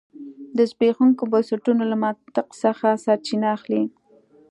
د زبېښونکو بنسټونو له منطق څخه سرچینه اخلي.